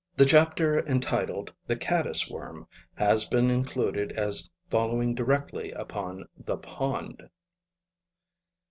The chapter entitled The Caddis Worm has been included as following directly upon The Pond.